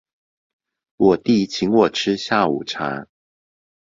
我弟請我吃下午茶